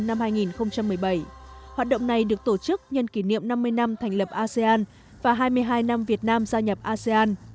năm hai nghìn một mươi bảy hoạt động này được tổ chức nhân kỷ niệm năm mươi năm thành lập asean và hai mươi hai năm việt nam gia nhập asean